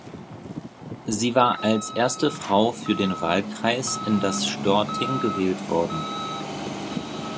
Sie war als erste Frau für den Wahlkreis in das Storting gewählt worden.